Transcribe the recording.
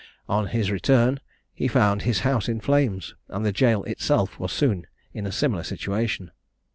On his return he found his house in flames; and the jail itself was soon in a similar situation.